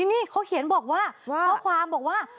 นี่เขาเขียนบอกว่าข้อความบอกว่า